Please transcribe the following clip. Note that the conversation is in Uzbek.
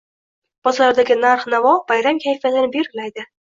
Bozordagi narx-navo bayram kayfiyatini belgilaydi